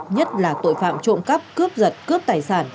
nhất là tội phạm trộm cắp cướp giật cướp tài sản